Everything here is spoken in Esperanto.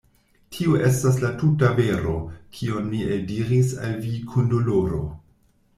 Tio estas la tuta vero, kiun mi eldiris al vi kun doloro.